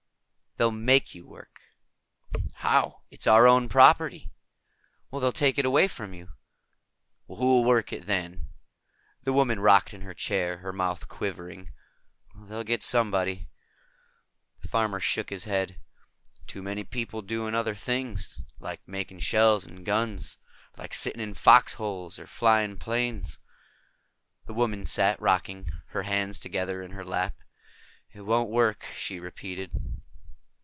"They'll make you work." "How? It's our own property." "They'll take it away from you." "Who'll work it then?" The woman rocked in her chair, her mouth quivering. "They'll get somebody." The farmer shook his head. "Too many people doing other things, like making shells and guns, like sitting in fox holes or flying planes." The woman sat rocking, her hands together in her lap. "It won't work," she repeated.